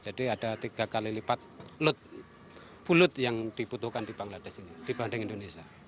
jadi ada tiga kali lipat lot bulut yang dibutuhkan di bangladesh ini dibanding indonesia